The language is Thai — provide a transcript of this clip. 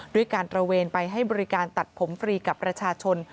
ด้วยการตระเวนไปให้บริการตัดผมฟรีกับประชาชน